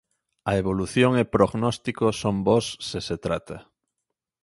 A evolución e prognóstico son bos se se trata.